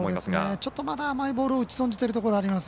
ちょっとまだ甘いボールを打ち損じているところがあります。